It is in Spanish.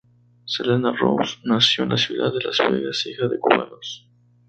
Selena Rose nació en la ciudad de Las Vegas, hija de cubanos.